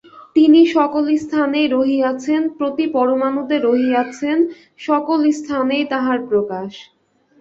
তিনি সকল স্থানেই রহিয়াছেন, প্রতি পরমাণুতে রহিয়াছেন, সকল স্থানেই তাঁহার প্রকাশ।